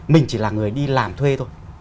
mình chỉ là người đi làm thuê thôi